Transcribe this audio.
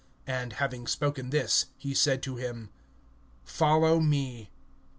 And having spoken this, he says to him: Follow me.